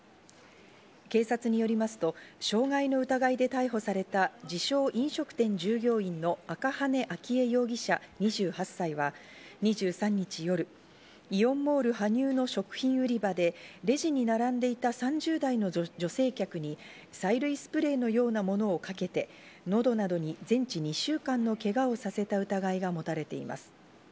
警察によりますと、傷害の疑いで逮捕された自称、飲食店従業員の赤羽純依容疑者、２８歳は２３日夜、イオンモール羽生の食品売り場でレジに並んでいた３０代の女性客に催涙スプレーのようなものをかけて、喉などに全治２週間のけがをさせた疑いがもたれています。